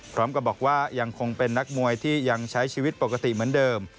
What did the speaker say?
พร้อมกับบอกว่ายังคงเป็นนักมวยที่ยังใช้ชีวิตปกติเหมือนเดิม